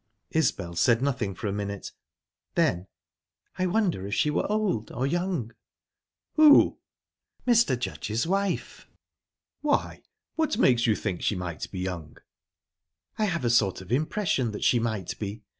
Isbel said nothing for a minute; then, "I wonder if she were old or young?" "Who?" "Mr. Judge's wife." "Why, what makes you think she might be young?" "I have a sort of impression that she might be.